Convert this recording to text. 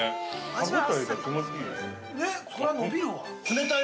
歯応えが気持ちいい。